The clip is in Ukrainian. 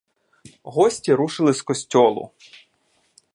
Гості рушили з костьолу.